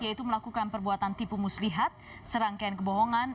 yaitu melakukan perbuatan tipu muslihat serangkaian kebohongan